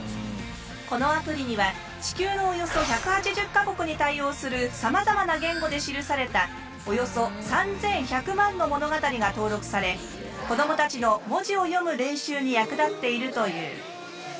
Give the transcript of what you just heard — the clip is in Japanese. このアプリには地球のおよそ１８０か国に対応するさまざまな言語で記されたおよそ３，１００万の物語が登録され子どもたちの文字を読む練習に役立っているという。